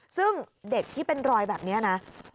ซึ่งเด็กที่เป็นรอยแบบนี้นะ